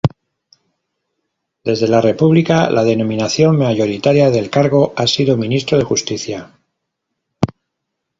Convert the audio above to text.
Desde la república la denominación mayoritaria del cargo ha sido Ministro de Justicia.